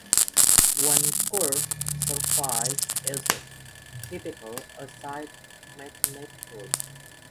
One curved surface isn't typically a side mathematically